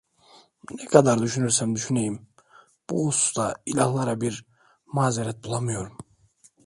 Ne kadar düşünürsem düşüneyim, bu hususta ilahlara bir mazeret bulamıyorum.